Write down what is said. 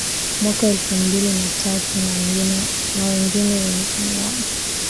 mwaka elfu mbili na tatu na wengine wengi wao